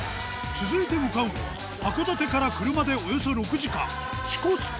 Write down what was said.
続いて向かうのは、函館から車でおよそ６時間、支笏湖。